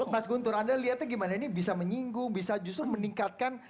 mas guntur anda lihatnya gimana ini bisa menyinggung bisa justru meningkatkan